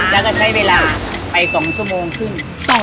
แล้วก็ใช้เวลาไป๒ชั่วโมงครึ่ง